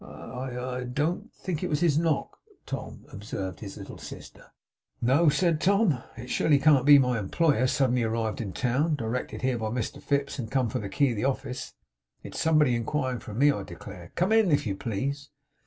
'I I don't think it was his knock, Tom,' observed his little sister. 'No?' said Tom. 'It surely can't be my employer suddenly arrived in town; directed here by Mr Fips; and come for the key of the office. It's somebody inquiring for me, I declare! Come in, if you please!